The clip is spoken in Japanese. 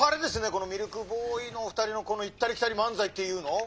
このミルクボーイのお二人のこの『行ったり来たり漫才』って言うの？」。